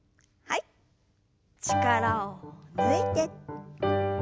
力を抜いて。